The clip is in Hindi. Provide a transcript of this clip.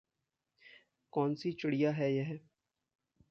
कौनसी चिड़िया है यह?